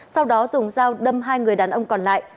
sau đó dùng dao đâm hai người đàn ông còn lại